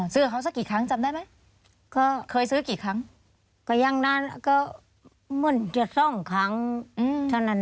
ซื้อเขาสักกี่ครั้งเจอได้ไหม